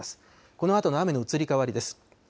このあとの雨の移り変わりです。